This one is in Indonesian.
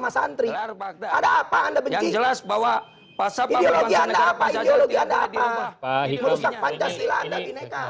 merusak pancasila anda bineka